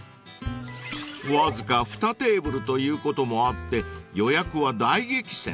［わずか２テーブルということもあって予約は大激戦］